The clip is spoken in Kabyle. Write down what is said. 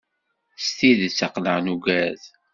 S tidet aql-aɣ nugad.